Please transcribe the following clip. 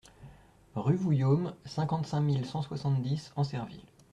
Rue Vouillaume, cinquante-cinq mille cent soixante-dix Ancerville